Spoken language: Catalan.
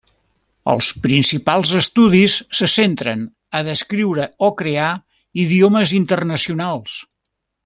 Els principals estudis se centren a descriure o crear idiomes internacionals.